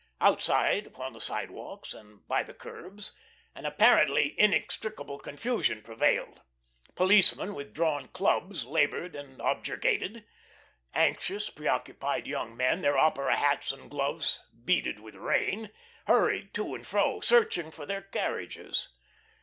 Outside upon the sidewalks and by the curbs, an apparently inextricable confusion prevailed; policemen with drawn clubs laboured and objurgated: anxious, preoccupied young men, their opera hats and gloves beaded with rain, hurried to and fro, searching for their carriages.